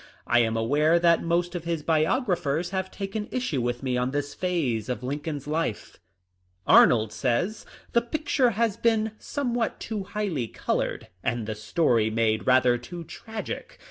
I am aware that most of his biographers have taken issue with me on this phase of Mr. Lincoln's life. Arnold says :" The picture has been somewhat too highly colored, and the story made rather too tragic."